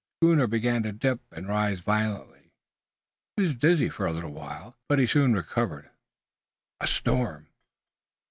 The schooner began to dip and rise violently. He was dizzy for a little while, but he soon recovered. A storm!